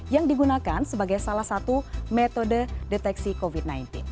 yang digunakan sebagai salah satu metode deteksi covid sembilan belas